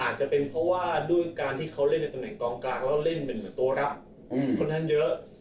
อาจจะเป็นเพราะว่าด้วยการที่เขาเล่นในตำแหนกองกลางแล้วเล่นหนึ่งตัวครับค่อนข้างเยอะ